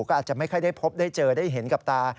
ก็อาจจะไม่ค่อยได้พบได้เจอได้เห็นกับตา